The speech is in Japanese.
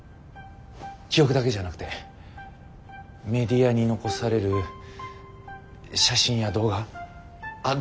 記憶だけじゃなくてメディアに残される写真や動画あ